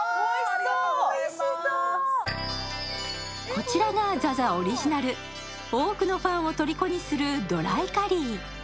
こちらがＺＡＺＡオリジナル多くのファンをとりこにするドライカリー。